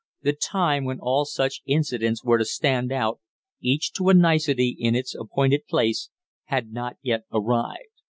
The time when all such incidents were to stand out, each to a nicety in its appointed place, had not yet arrived.